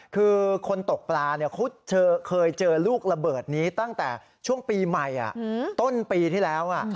คือคนตกปลาเขาเคยเจอลูกระเบิดนี้ตั้งแต่ช่วงปีใหม่ต้นปีที่แล้ว